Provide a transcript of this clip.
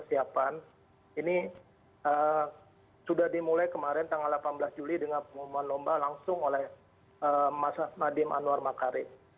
ini sudah dimulai kemarin tanggal delapan belas juli dengan pengumuman lomba langsung oleh mas nadiem anwar makarim